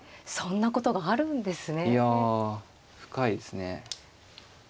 いや深いですね。